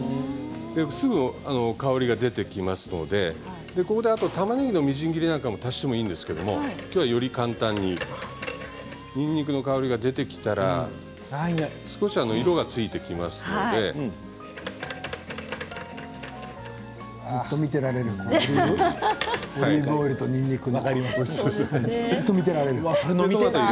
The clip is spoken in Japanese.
すぐ香りが出てきますのでここで、あとたまねぎのみじん切りを足してもいいんですが今日は、より簡単ににんにくの香りが出てきたら少し色がついてきますのでずっと見ていられるオリーブオイルとにんにく。